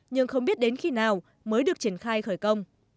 nhưng không biết đến khi nào mới được triển khai khởi công